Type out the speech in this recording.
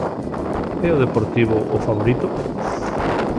É o Deportivo o favorito?